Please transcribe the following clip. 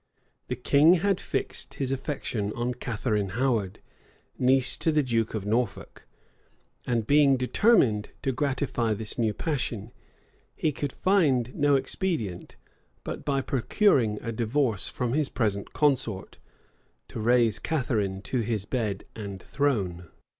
The king had fixed his affection on Catharine Howard, niece to the duke of Norfolk; and being determined to gratify this new passion, he could find no expedient, but by procuring a divorce from his present consort, to raise Catharine to his bed and throne.